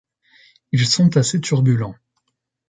Ils sont assez turbulents.